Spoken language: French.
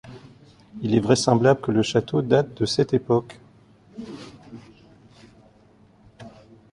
Il est vraisemblable que le château date de cette époque.